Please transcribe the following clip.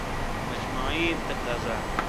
مجموعي تقاضا